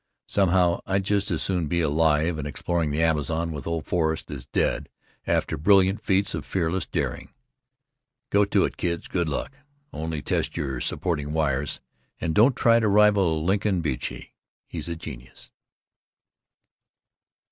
Somehow I'd just as soon be alive and exploring the Amazon with old Forrest as dead after "brilliant feats of fearless daring." Go to it, kids, good luck, only test your supporting wires, and don't try to rival Lincoln Beachey, he's a genius.